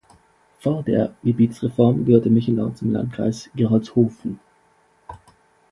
Vor der Gebietsreform gehörte Michelau zum Landkreis Gerolzhofen.